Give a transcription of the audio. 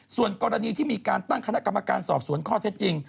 ส่วนกรณีที่มีการตั้งคณะกรรมการสอบสวนข้อเท็จจริง